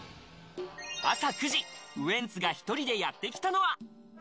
朝９時、ウエンツが１人でやってきたのは。